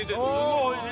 おいしい。